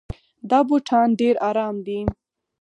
دا بوټان ډېر ارام دي.